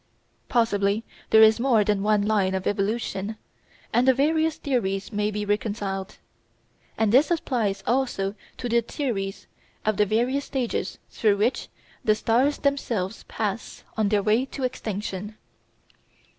Possibly there is more than one line of evolution, and the various theories may be reconciled. And this applies also to the theories of the various stages through which the stars themselves pass on their way to extinction.